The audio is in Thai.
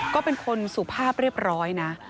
ก็เป็นคนสุภาพเรียบร้อยนะ